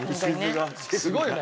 すごいね。